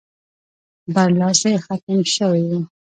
برلاسی ختم شوی وو.